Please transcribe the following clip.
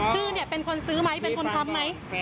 ชื่อเนี่ยเป็นคนซื้อไหมเป็นคนค้ำไหม